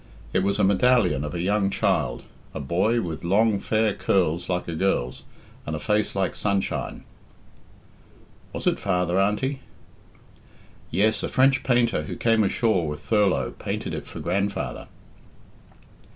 It was a medallion of a young child a boy, with long fair curls like a girl's, and a face like sunshine. "Was it father, Auntie?" "Yes; a French painter who came ashore with Thurlot painted it for grandfather."